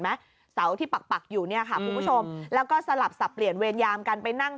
ไหมเสาที่ปักปักอยู่เนี่ยค่ะคุณผู้ชมแล้วก็สลับสับเปลี่ยนเวรยามกันไปนั่ง